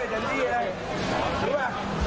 โทษแล้วครับ